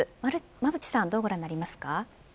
馬渕さんどうご覧になりますか。